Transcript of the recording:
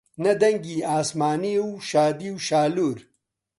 نە دەنگی ئاسمانی و شادیی شالوور